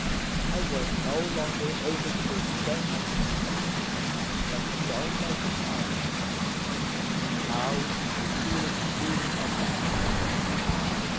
I was no longer able to restrain myself, but joined my companion in loud and repeated peals of laughter.